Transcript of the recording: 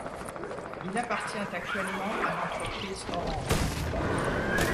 Il appartient actuellement à l'entreprise Orange.